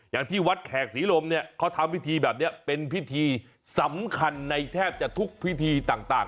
อย่างที่วัดแขกศรีลมเนี่ยเขาทำพิธีแบบนี้เป็นพิธีสำคัญในแทบจะทุกพิธีต่าง